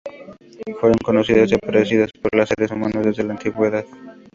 Fueron conocidas y apreciadas por los seres humanos desde la Antigüedad.